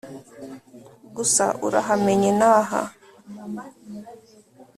gusa urahamenye na ha